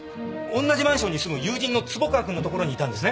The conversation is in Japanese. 同じマンションに住む友人の坪川君のところにいたんですね